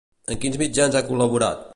En quins mitjans ha col·laborat?